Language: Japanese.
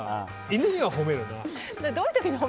犬には褒めるな。